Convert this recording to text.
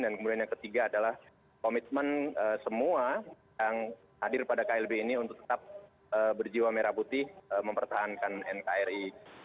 dan kemudian yang ketiga adalah komitmen semua yang hadir pada klb ini untuk tetap berjiwa merah putih mempertahankan nkri